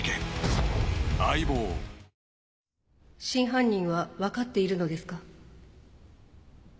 真犯人はわかっているのですか？